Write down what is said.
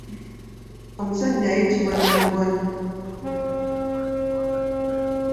Omusajja ayitibwa Nnaggwano.